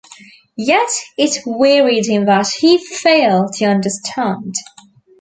Yet it wearied him that he failed to understand.